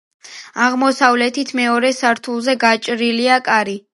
აღმოსავლეთით, მეორე სართულზე გაჭრილია კარი.